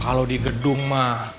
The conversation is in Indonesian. kalo di gedung mah